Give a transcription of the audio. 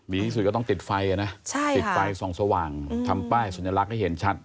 ดีที่สุดก็ต้องติดไฟอ่ะนะใช่ค่ะติดไฟทรงสว่างอืมทำป้ายสัญลักษณ์ให้เห็นชัด